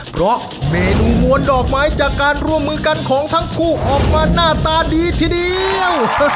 เพราะเมนูมวลดอกไม้จากการร่วมมือกันของทั้งคู่ออกมาหน้าตาดีทีเดียว